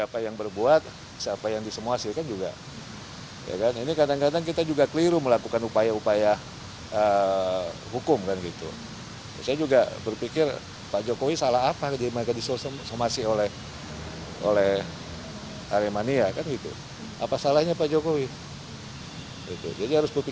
ketum pssi ketum pssi dan ketum pssi